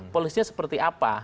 polisinya seperti apa